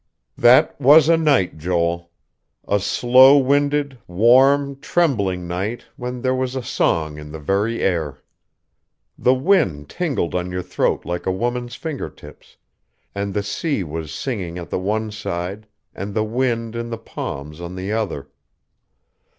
"That was a night, Joel. A slow winded, warm, trembling night when there was a song in the very air. The wind tingled on your throat like a woman's finger tips; and the sea was singing at the one side, and the wind in the palms on the other.